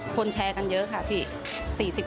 แชร์กันเยอะค่ะพี่